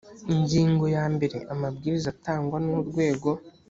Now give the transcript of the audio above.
ingingo ya mbere amabwiriza atangwa n urwego